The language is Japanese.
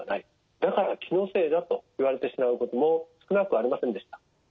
だから気のせいだと言われてしまうことも少なくありませんでした。